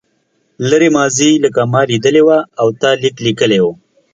لرې ماضي لکه ما لیدلې وه او تا لیک لیکلی و.